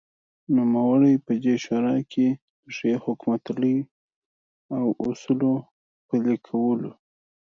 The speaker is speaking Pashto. نوموړی په دې شورا کې دښې حکومتولۍ او اصولو پلې کولو